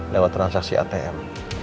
lewat transaksi atm